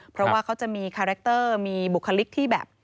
เพราะว่าเขาจะมีคาแรคเตอร์มีบุคลิกที่แบบ